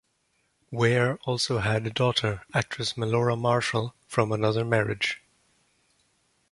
Ware also had a daughter, actress Melora Marshall, from another marriage.